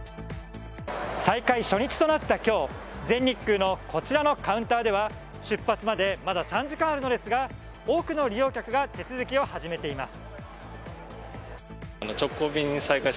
再開初日となった今日全日空のこちらのカウンターでは出発までまだ３時間あるのですが多くの利用客が手続きを始めています。